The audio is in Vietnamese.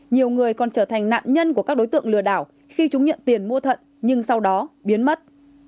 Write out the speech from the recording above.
nhiều người còn trở thành nạn nhân của các đối tượng lừa đảo khi chúng nhận tiền mua thận nhưng sau đó biến mất